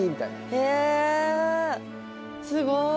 へえすごい。